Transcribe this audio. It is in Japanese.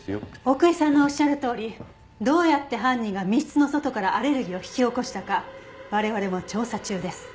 奥居さんのおっしゃるとおりどうやって犯人が密室の外からアレルギーを引き起こしたか我々も調査中です。